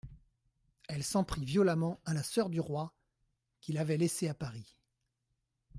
Elle s'en prit violemment à la soeur du roi, qu'il avait laissée à Paris.